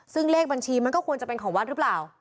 ซึ่งเลขบัญชีมันก็ควรจะเป็นของวัดหรือเปล่า